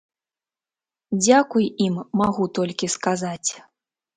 Дзякуй ім магу толькі сказаць.